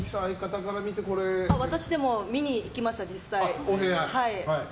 私、でも見に行きました実際。